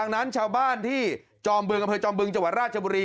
ดังนั้นชาวบ้านที่จอมบึงอำเภอจอมบึงจังหวัดราชบุรี